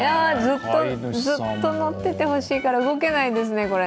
ずっと乗っててほしいから動けないですね。